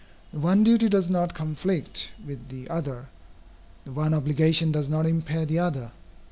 The one duty does not conflict with the other. The one obligation does not impair the other.